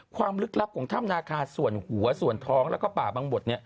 ลึกลับของถ้ำนาคาส่วนหัวส่วนท้องแล้วก็ป่าบังบด